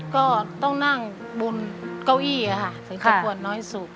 ก็ต้องนั่งบนเก้าอี้ค่ะถึงจะปวดน้อยสุด